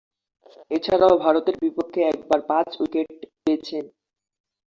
এছাড়াও, ভারতের বিপক্ষে একবার পাঁচ উইকেট পেয়েছেন।